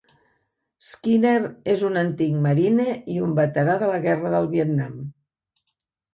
Skineer és un antic marine i un veterà de la Guerra de Vietnam.